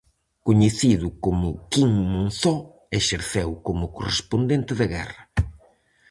Coñecido como Quim Monzó, exerceu como correspondente de guerra.